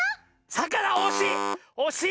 さかなおしい！